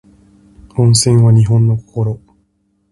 温泉は日本の心